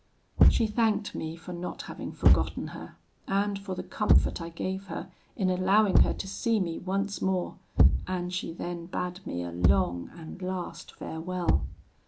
"She thanked me for not having forgotten her, and for the comfort I gave her in allowing her to see me once more, and she then bade me a long and last farewell.